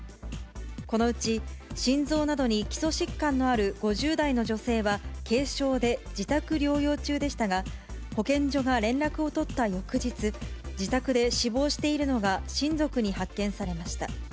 このうち、心臓などに基礎疾患のある５０代の女性は、軽症で自宅療養中でしたが、保健所が連絡を取った翌日、自宅で死亡しているのが親族に発見されました。